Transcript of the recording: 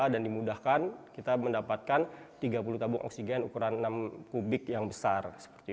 dan dimudahkan kita mendapatkan tiga puluh tabung oksigen ukuran enam kubik yang besar